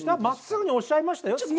まっすぐにおっしゃいましたよ